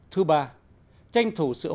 thứ ba tranh thủ sự hỗ trợ